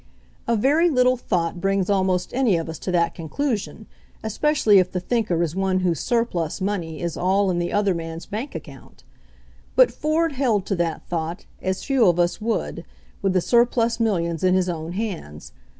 A very little thought brings almost any of us to that conclusion, especially if the thinker is one whose surplus money is all in the other man's bank account; but Ford held to that thought, as few of us would, with the surplus millions in his own hands.